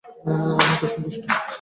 আমি এতে সন্তুষ্ট।